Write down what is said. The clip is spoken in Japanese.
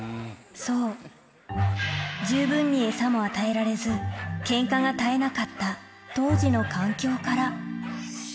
そう、十分に餌も与えられず、けんかが絶えなかった当時の環境から。